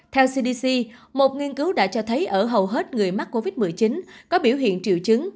theo cdc một nghiên cứu đã cho thấy ở hầu hết người mắc covid một mươi chín có biểu hiện triệu chứng